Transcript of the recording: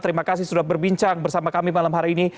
terima kasih sudah berbincang bersama kami malam hari ini